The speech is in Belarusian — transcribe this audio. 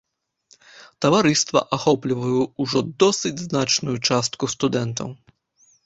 Таварыства ахоплівае ўжо досыць значную частку студэнтаў.